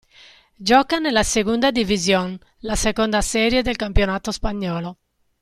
Gioca nella "Segunda División", la seconda serie del campionato spagnolo.